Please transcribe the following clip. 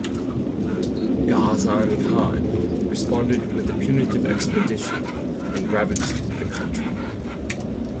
Ghazan Khan responded with a punitive expedition, and ravaged the country.